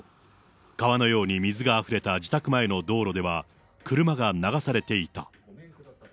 川のように水があふれた自宅前の道路では、車が流されていた。